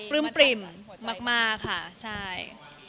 ปริ่มมากค่ะใช่